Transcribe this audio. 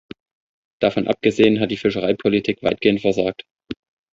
Davon abgesehen hat die Fischereipolitik weitgehend versagt.